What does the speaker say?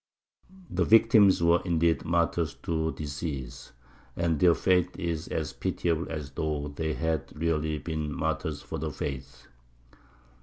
The victims were, indeed, martyrs to disease, and their fate is as pitiable as though they had really been martyrs for the faith.